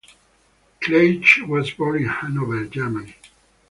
Klages was born in Hanover, Germany.